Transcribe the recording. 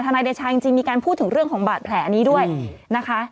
นายเดชาจริงมีการพูดถึงเรื่องของบาดแผลนี้ด้วยนะคะ